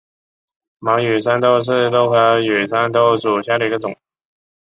白羽扇豆为豆科羽扇豆属下的一个种。